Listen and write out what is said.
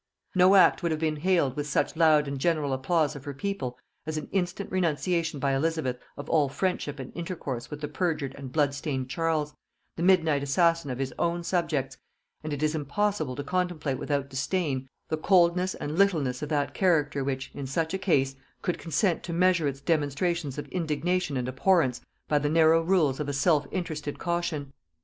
No act would have been hailed with such loud and general applause of her people as an instant renunciation by Elizabeth of all friendship and intercourse with the perjured and blood stained Charles, the midnight assassin of his own subjects; and it is impossible to contemplate without disdain the coldness and littleness of that character which, in such a case, could consent to measure its demonstrations of indignation and abhorrence by the narrow rules of a self interested caution.